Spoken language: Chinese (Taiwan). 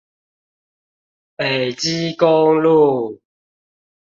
北基公路